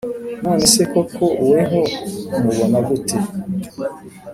nonese koko weho umubona gute?